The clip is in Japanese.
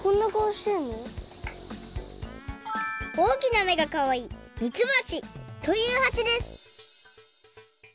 おおきなめがかわいいみつばちというはちです